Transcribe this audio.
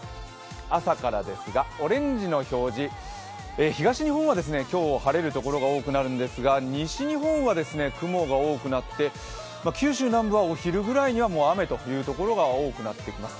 朝からですが、オレンジの表示、東日本は今日晴れるところが多くなるんですが、西日本は雲が多くなって九州南部はお昼ぐらいにはもう雨というところが多くなってきます。